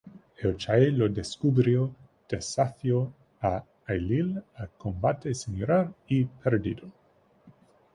Eochaid lo descubrió, desafió a Ailill a combate singular, y perdió.